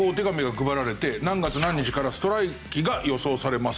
何月何日からストライキが予想されますと。